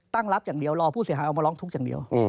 ตั้งรับอย่างเดียวรอผู้เสียหายเอามาร้องทุกข์อย่างเดียว